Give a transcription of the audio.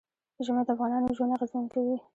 ژمی د افغانانو ژوند اغېزمن کوي.